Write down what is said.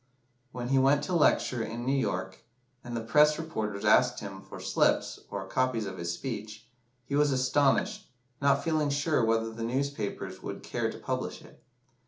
When he went to lecture in New York, and the press reporters asked him for "slips," or copies of his speech, he was astonished, not feeling sure whether the newspapers would care to publish it.